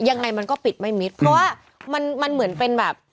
ยังไงมันก็ปิดไม่มิดเพราะว่ามันมันเหมือนเป็นแบบ